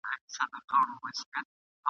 نه هګۍ پرېږدي نه چرګه په کوڅه کي !.